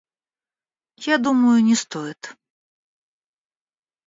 Я думаю, не стоит.